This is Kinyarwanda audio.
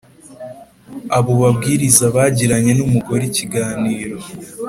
Abo babwiriza bagiranye n , mugore ikiganiro